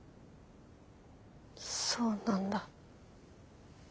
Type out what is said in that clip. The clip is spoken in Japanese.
そうなんだ。